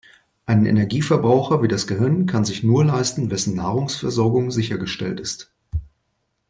Einen Energieverbraucher wie das Gehirn kann sich nur leisten, wessen Nahrungsversorgung sichergestellt ist.